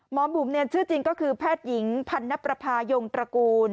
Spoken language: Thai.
หมอบุ๋มเนี่ยชื่อจริงก็คือแพทยิงพันธุ์นับประพายงตระกูล